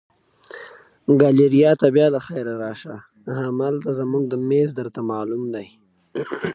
ګالیریا ته بیا له خیره راشه، همالته زموږ مېز درته معلوم دی.